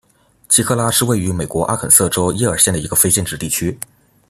奇克拉是位于美国阿肯色州耶尔县的一个非建制地区。